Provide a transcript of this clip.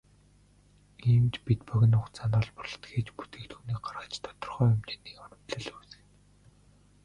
Иймд бид богино хугацаанд олборлолт хийж бүтээгдэхүүнээ гаргаад тодорхой хэмжээний хуримтлал үүсгэнэ.